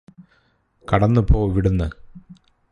കടന്നുപോ ഇവിടുന്ന്